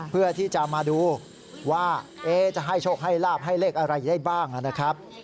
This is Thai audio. เพื่อที่จะมาดูว่าจะให้โชคให้ลาบให้เลขอะไรได้บ้างนะครับ